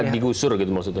tidak digusur gitu maksudnya